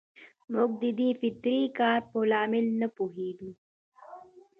موږ د دې فطري کار په لامل نه پوهېدو.